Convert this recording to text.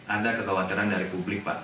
ada kekhawatiran dari publik pak